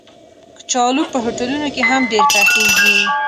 کچالو په هوټلونو کې هم ډېر پخېږي